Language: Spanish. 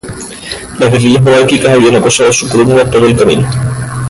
Las guerrillas monárquicas habían acosado a su columna todo el camino.